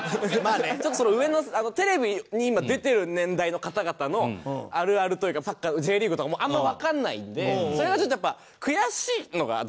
ちょっと上のテレビに今出てる年代の方々のあるあるというかサッカーのＪリーグとかもあんまりわからないんでそれがちょっとやっぱ悔しいのがずっとあって。